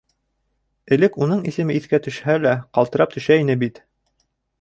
Элек уның исеме иҫкә төшһә лә ҡалтырап төшә ине бит.